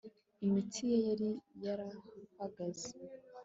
imitsi ye yari yarahagaze